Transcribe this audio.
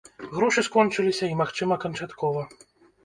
Грошы скончыліся, і, магчыма, канчаткова.